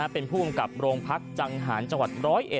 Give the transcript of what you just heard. เป็นผู้กำกับโรงพักจังหารจังหวัด๑๐๑